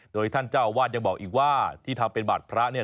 โดยท่านเจ้าอาวาสยังบอกอีกว่าที่ทำเป็นบัตรพระเนี่ย